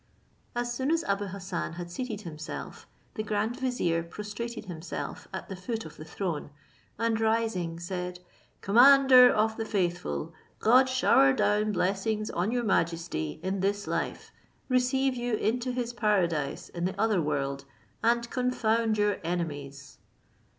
As soon as Abou Hassan had seated himself, the grand vizier prostrated himself at the foot of the throne, and rising, said, "Commander of the faithful, God shower down blessings on your majesty in this life, receive you into his paradise in the other world, and confound your enemies."